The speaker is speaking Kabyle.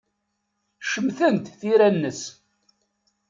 Cemtent tira-nnes.